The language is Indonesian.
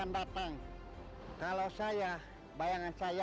bisa lebih kecil